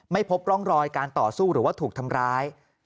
ไม่พบร่องรอยการต่อสู้หรือว่าถูกทำร้าย